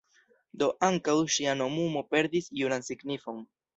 Do ankaŭ ŝia nomumo perdis juran signifon.